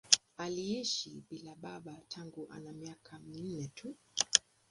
Aliishi bila ya baba tangu ana miaka minne tu.